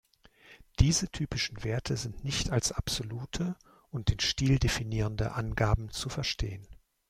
Diese typischen Werte sind nicht als absolute und den Stil definierende Angaben zu verstehen.